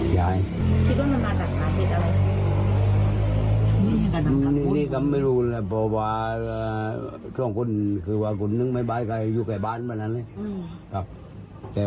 คนอื่นก็มาอยู่แค่บ้านนั้นเขาก็สามารถไปบ้านอีกตัวได้ดูรักษาพันธุ์ไว้กันเลย